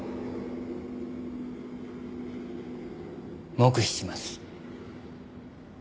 黙秘します。